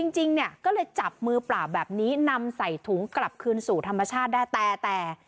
จริงเนี่ยก็เลยจับมือเปล่าแบบนี้นำใส่ถุงกลับคืนสู่ธรรมชาติได้แต่แต่